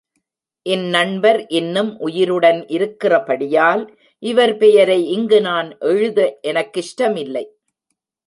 இந்நண்பர் இன்னும் உயிருடன் இருக்கிறபடியால் இவர் பெயரை இங்கு நான் எழுத எனக்கிஷ்டமில்லை.